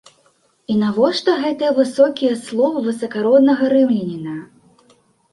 І навошта гэтыя высокія словы высакароднага рымляніна?